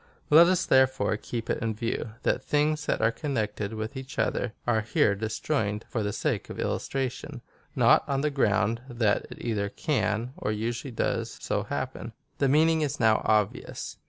Let us therefore keep it in view, that things that are connected with each other are here disjoined for the sake of illustration — not on the ground that it either can, or usually does, so happen. The meaning is now obvious.